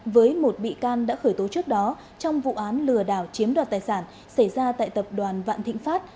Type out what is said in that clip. với một bị can đã khởi tố trước đó trong vụ án lừa đảo chiếm đoạt tài sản xảy ra tại tập đoàn vạn thịnh pháp